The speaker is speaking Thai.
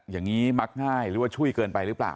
อย่างนี้มักง่ายหรือว่าช่วยเกินไปหรือเปล่า